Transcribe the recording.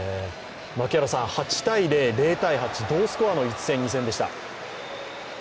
８−０、０−８同スコアの１戦、２戦でした。